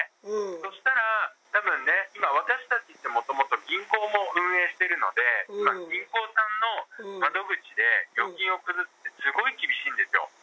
そしたら、たぶんね、私たちってもともと、銀行も運営してるので、銀行さんの窓口で預金を崩すって、すごい厳しいんですよ。